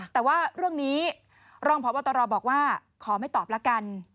แต่ว่าเรื่องนี้รองพบตรบอกว่าขอไม่ตอบละกัน